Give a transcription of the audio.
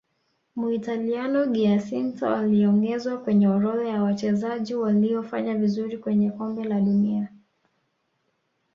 muitaliano giacinto aliongezwa kwenye orodha ya wachezaji waliofanya vizuri kwenye Kombe la dunia